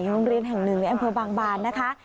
โรงเรียนแห่งหนึ่งในอำเภอบางบานนะคะ